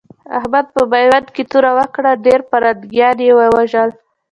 احمد په ميوند کې توره وکړه؛ ډېر پرنګيان يې ووژل.